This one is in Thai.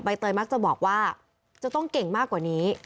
เตยมักจะบอกว่าจะต้องเก่งมากกว่านี้